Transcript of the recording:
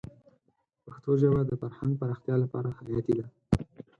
پښتو ژبه د فرهنګ پراختیا لپاره حیاتي ده.